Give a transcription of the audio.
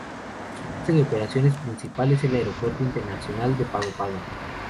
Su base de operaciones principal es el Aeropuerto Internacional de Pago Pago.